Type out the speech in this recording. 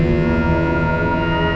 tuan tuan tuan tuan